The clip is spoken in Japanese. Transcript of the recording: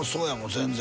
全然。